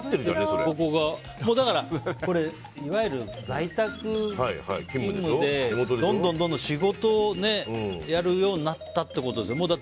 だから、いわゆる在宅勤務でどんどん仕事をやるようになったってことですよね。